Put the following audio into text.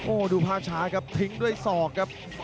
โอ้โหดูภาพช้าครับทิ้งด้วยศอกครับ